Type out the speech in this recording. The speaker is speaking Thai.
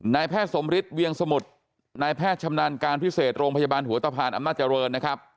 นายแพทย์สมฤทธิเวียงสมุทรนายแพทย์ชำนาญการพิเศษโรงพยาบาลหัวตะพานอำนาจเจริญนะครับ